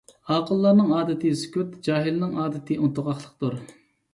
ئاقىللارنىڭ ئادىتى سۈكۈت، جاھىلنىڭ ئادىتى ئۇنتۇغاقلىقتۇر.